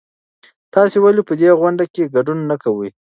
تاسې ولې په دې غونډه کې ګډون نه کوئ؟